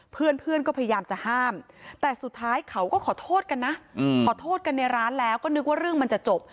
เพื่อนก็พยายามจะห้ามแต่สุดท้ายเขาก็ขอโทษกันนะขอโทษกันในร้านแล้วก็นึกว่าเรื่องมันจะจบ